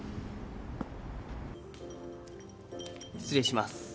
失礼します。